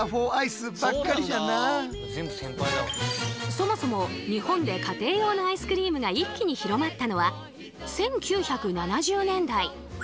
そもそも日本で家庭用のアイスクリームが一気に広まったのは１９７０年代！